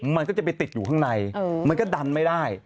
มันก็จะไปติดอยู่ข้างในมันก็ดันไม่ได้